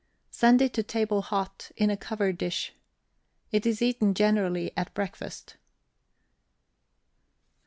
Send it to table hot, in a covered dish. It is eaten generally at breakfast.